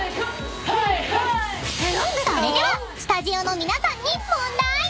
［それではスタジオの皆さんに］